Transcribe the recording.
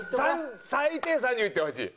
最低３０いってほしい。